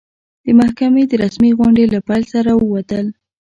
د محکمې د رسمي غونډې له پیل سره ووتل.